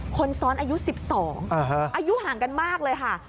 คนซ้อนอายุ๑๒อายุห่างกันมากเลยค่ะ